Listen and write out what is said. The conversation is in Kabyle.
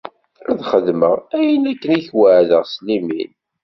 Ad xedmeɣ ayen akken i k-weɛdeɣ s limin.